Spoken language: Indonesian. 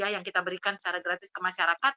yang kita berikan secara gratis ke masyarakat